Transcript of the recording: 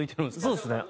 そうですね。